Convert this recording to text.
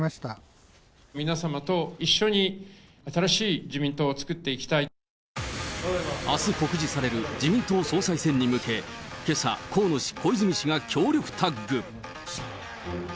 皆様と一緒に新しい自民党をあす告示される自民党総裁選に向け、けさ、河野氏、小泉氏が強力タッグ。